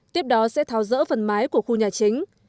tiếp đó sẽ tháo rỡ phần mái của khu nhà chính